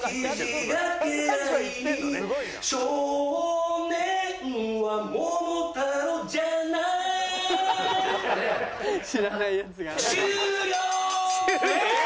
「少年は桃太郎じゃない」「知らないやつがある」